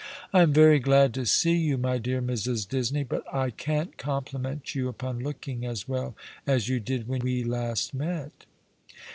" I'm very glad to see you, my dear Mrs. Disney ; but I can't compliment you upon looking as well as you did when we last met."